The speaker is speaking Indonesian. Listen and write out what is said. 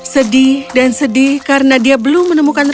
sedih dan sedih karena dia belum bisa menemukan putri